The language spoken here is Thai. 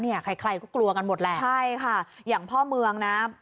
ใครใครก็กลัวกันหมดแหละใช่ค่ะอย่างพ่อเมืองนะ